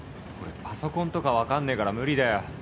俺パソコンとか分かんねえから無理だよ